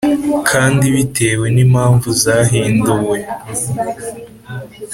kandi bitewe n impamvu zahinduwe.